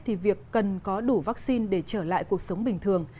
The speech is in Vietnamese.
thì việc cần có đủ vắc xin để trở lại cuộc sống bình thường